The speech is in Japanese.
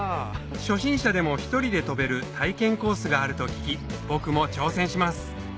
初心者でも１人で飛べる体験コースがあると聞き僕も挑戦します